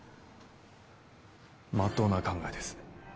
まっとうな考えですね。